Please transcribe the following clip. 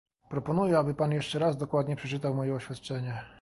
Proponuję, aby pan jeszcze raz dokładnie przeczytał moje oświadczenie